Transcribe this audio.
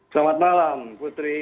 selamat malam putri